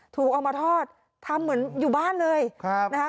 เอามาทอดทำเหมือนอยู่บ้านเลยครับนะคะ